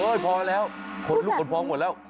เฮ้ยพอแล้วคนลูกคนพร้อมหมดแล้ว